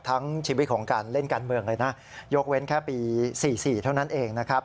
ทั้งชีวิตของการเล่นการเมืองเลยนะยกเว้นแค่ปี๔๔เท่านั้นเองนะครับ